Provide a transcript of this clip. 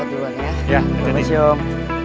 terima kasih om